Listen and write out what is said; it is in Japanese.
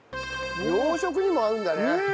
洋食にも合うんだね。